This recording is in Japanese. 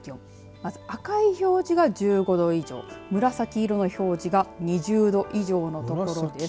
まず、赤い表示が１５度以上紫色の表示が２０度以上の所です。